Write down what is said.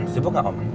sibuk gak om